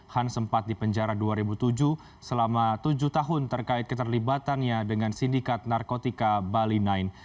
han sempat dipenjara dua ribu tujuh selama tujuh tahun terkait keterlibatannya dengan sindikat narkotika bali sembilan